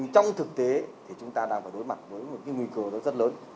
trong thực tế thì chúng ta đang phải đối mặt với một cái nguy cơ rất lớn